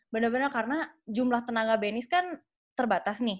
bener bener karena jumlah tenaga penis kan terbatas nih